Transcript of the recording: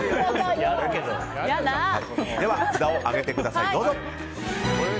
では、札を上げてください。